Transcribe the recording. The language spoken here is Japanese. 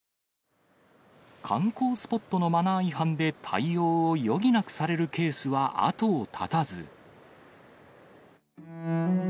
観光スポットのマナー違反で、対応を余儀なくされるケースは後を絶たず。